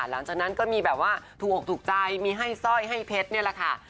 หลังจากนั้นก็มีแบบว่าถูกอกถูกใจมีให้สร้อยให้เพชรนี่แหละค่ะ